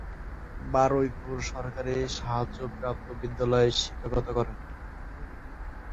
বারুইপুর সরকারি সাহায্য প্রাপ্ত বিদ্যালয়ে শিক্ষকতা করেন।